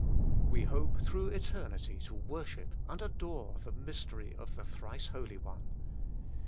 We hope through eternity to worship and adore the mystery of the Thrice Holy One.